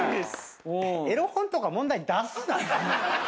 エロ本とか問題に出すな！